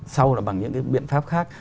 sau là bằng những cái biện pháp khác